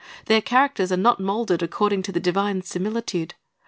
Their characters are not molded according to the divine similitude.